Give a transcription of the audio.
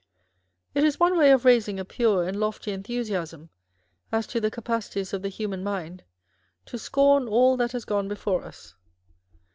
It is one way of raising a pure and lofty enthusiasm, as to the capacities of the human mind, to scorn all that has gone before us.